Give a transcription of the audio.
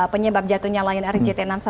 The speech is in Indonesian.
penyebab jatuhnya lion air jt enam ratus sepuluh